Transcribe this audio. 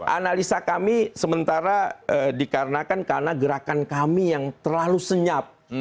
analisa kami sementara dikarenakan karena gerakan kami yang terlalu senyap